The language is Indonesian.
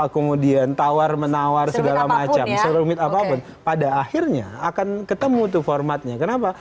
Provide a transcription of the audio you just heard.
kemudian tawar menawar segala macam serumit apapun pada akhirnya akan ketemu tuh formatnya kenapa